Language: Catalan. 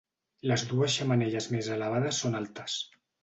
Les dues xemeneies més elevades són altes.